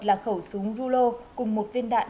là khẩu súng vulo cùng một viên đạn